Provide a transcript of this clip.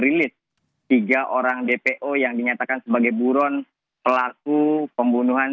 rilis tiga orang dpo yang dinyatakan sebagai buron pelaku pembunuhan